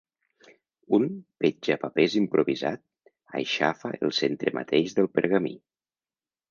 Un petjapapers improvisat aixafa el centre mateix del pergamí.